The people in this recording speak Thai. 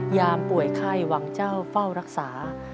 ยามป่วยไข้วังเจ้าเฝ้ารักษา